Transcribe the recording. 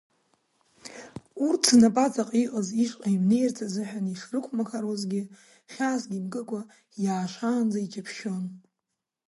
Урҭ знапаҵаҟа иҟаз ишҟа имнеирц азыҳәан ишрықәмақаруазгьы, хьаасгьы имкыкәа иаашаанӡа иҷаԥшьон.